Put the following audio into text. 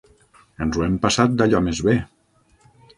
Ens ho hem passat d'allò més bé.